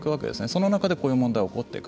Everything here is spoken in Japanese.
その中でこういう問題が起こっていく。